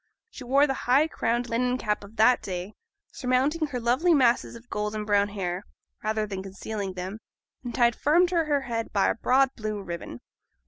She wore the high crowned linen cap of that day, surmounting her lovely masses of golden brown hair, rather than concealing them, and tied firm to her head by a broad blue ribbon.